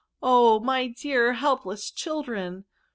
Oh! my dear helpless children!'